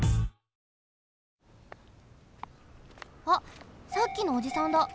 あっさっきのおじさんだ。